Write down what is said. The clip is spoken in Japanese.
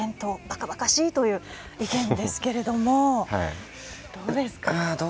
ばかばかしい」という意見ですけれどもどうですか？